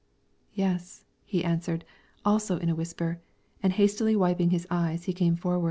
"Yes," he answered, also in a whisper; and hastily wiping his eyes he came forward.